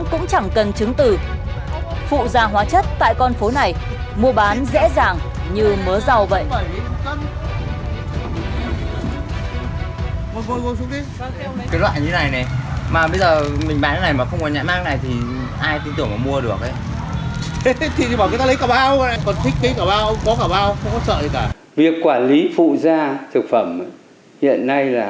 chẳng cần chứng từ phụ gia hóa chất tại con phố này mua bán dễ dàng như mớ rau vậy